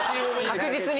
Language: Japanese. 確実に！